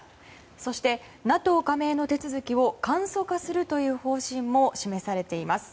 そして、ＮＡＴＯ加盟の手続きを簡素化するという方針も示されています。